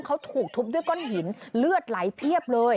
เขาถูกทุบด้วยก้อนหินเลือดไหลเพียบเลย